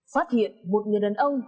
phát hiện một người đàn ông